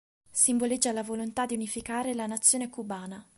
Simboleggia la volontà di unificare la nazione cubana.